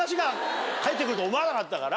思わなかったから。